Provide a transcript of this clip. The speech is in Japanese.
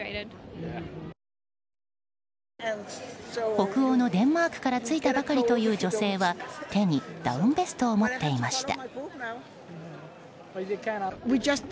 北欧のデンマークから着いたばかりという女性は手に、ダウンベストを持っていました。